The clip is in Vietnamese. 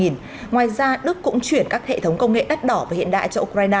ngoài ra đức cũng chuyển các hệ thống công nghệ đắt đỏ và hiện đại cho ukraine